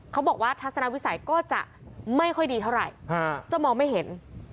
เขาบอกว่าทัศนวิสัยก็จะไม่ค่อยดีเท่าไหร่จะมองไม่เห็น